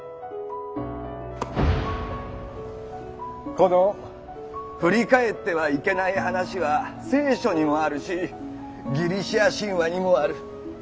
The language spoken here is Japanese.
この「振り返ってはいけない」話は聖書にもあるしギリシア神話にもある。